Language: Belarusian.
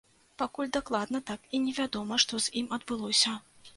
Пакуль дакладна так і не вядома, што з ім адбылося.